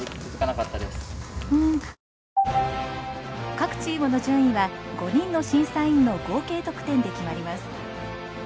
各チームの順位は５人の審査員の合計得点で決まります。